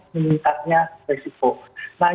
menitaknya resiko nah